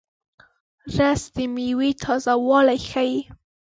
رس د میوې تازهوالی ښيي